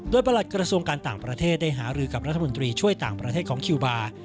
โดยประหลัดกระทรวงการต่างประเทศได้หารือกับรัฐมนตรีช่วยต่างประเทศของคิวบาร์